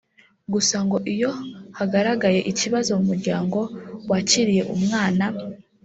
Gusa ngo iyo hagaragaye ikibazo mu muryango wakiriye umwana